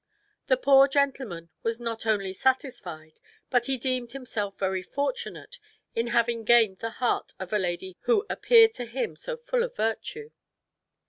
The poor gentleman was not only satisfied, but he deemed himself very fortunate in having gained the heart of a lady who appeared to him so full of virtue.